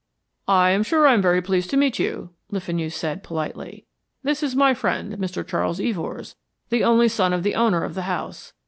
"I am sure I am very pleased to meet you," Le Fenu said, politely. "This is my friend, Mr. Charles Evors, the only son of the owner of the house.